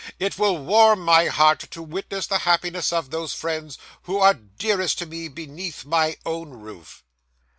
It will warm my heart to witness the happiness of those friends who are dearest to me, beneath my own roof.